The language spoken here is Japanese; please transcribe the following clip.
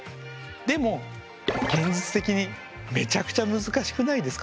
でも現実的にめちゃくちゃ難しくないですか？